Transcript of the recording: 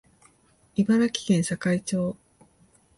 茨城県境町